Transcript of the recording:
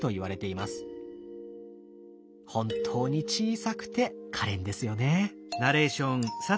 本当に小さくてかれんですよね。